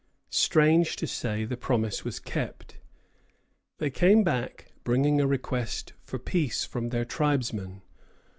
Strange to say, the promise was kept. They came back bringing a request for peace from their tribesmen.